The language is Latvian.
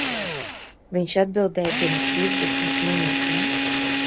Viņš atbildēja pirms divdesmit minūtēm.